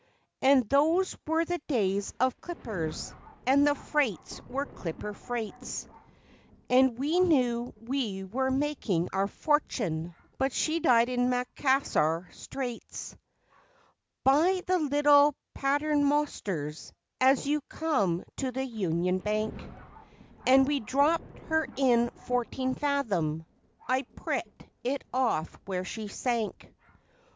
And those were the days of clippers, and the freights were clipper freights, And we knew we were making our fortune, but she died in Macassar Straits By the Little Paternosters, as you come to the Union Bank And we dropped her in fourteen fathom; I pricked it off where she sank.